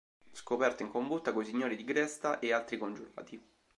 Scoperto in combutta coi signori di Gresta e altri congiurati.